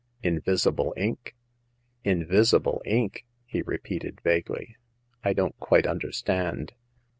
" 'invisible ink." '* Invisible ink !" he repeated, vaguely. I don't quite understand."